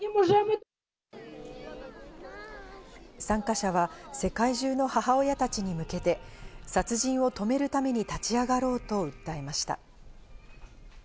参加者は世界中の母親たちに向けて殺人を止めるために立ち上がろうと訴えました。